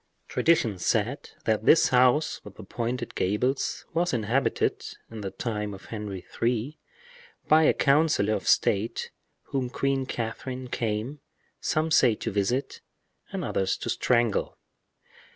Tradition said that this house with the pointed gables was inhabited, in the time of Henry III., by a councilor of state whom Queen Catherine came, some say to visit, and others to strangle.